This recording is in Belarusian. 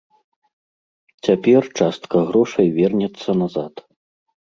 Цяпер частка грошай вернецца назад.